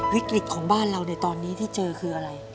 วิกฤตของบ้านเราในตอนนี้ที่เจอคืออะไร